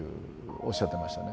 おっしゃってましたね。